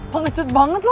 pengecut banget lo